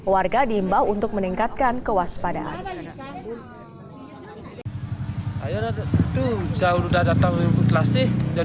warga diimbau untuk meningkatkan kewaspadaan